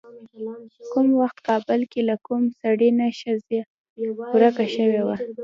کوم وخت کابل کې له کوم سړي نه ښځه ورکه شوې وه.